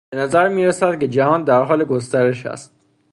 به نظر میرسد که جهان در حال گسترش است.